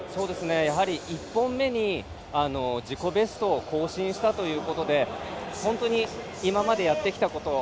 １本目に自己ベストを更新したということで本当に今までやってきたこと。